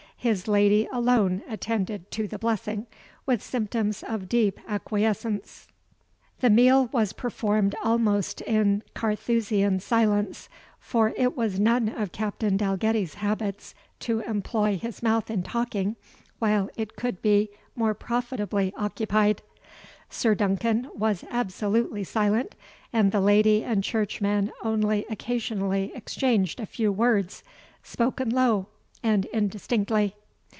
His lady alone attended to the blessing, with symptoms of deep acquiescence. The meal was performed almost in Carthusian silence; for it was none of Captain Dalgetty's habits to employ his mouth in talking, while it could be more profitably occupied. Sir Duncan was absolutely silent, and the lady and churchman only occasionally exchanged a few words, spoken low, and indistinctly.